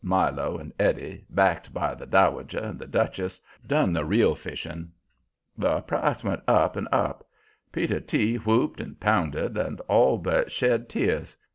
Milo and Eddie, backed by the Dowager and the Duchess, done the real fishing. The price went up and up. Peter T. whooped and pounded and all but shed tears.